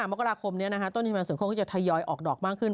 หมวกระคมเนี้ยนะคะต้นตัวว่ายูจะถยอยออกดอกมากขึ้น